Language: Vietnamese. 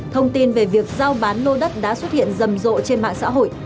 thông tin về việc giao bán lô đất đã xuất hiện rầm rộ trên mạng xã hội